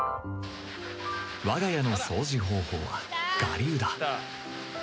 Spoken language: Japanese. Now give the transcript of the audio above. わが家の掃除方法は我流だ